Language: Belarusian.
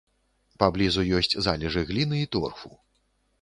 Паблізу ёсць залежы гліны і торфу.